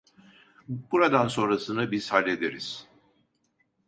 Buradan sonrasını biz hallederiz.